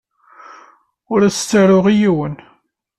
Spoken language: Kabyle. Ur as-ttaruɣ i yiwen.